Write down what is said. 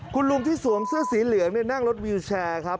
คุณลุงที่สวมเสื้อสีเหลืองนั่งรถวิวแชร์ครับ